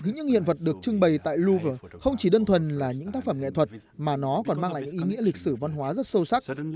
những hiện vật được trưng bày tại louvre không chỉ đơn thuần là những tác phẩm nghệ thuật mà nó còn mang lại những ý nghĩa lịch sử văn hóa rất sâu sắc